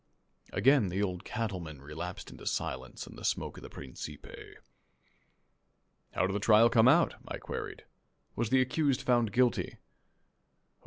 '" Again the Old Cattleman relapsed into silence and the smoke of the principe. "How did the trial come out?" I queried. "Was the accused found guilty?"